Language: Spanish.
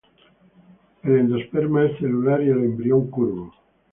El endosperma es celular y el embrión curvo.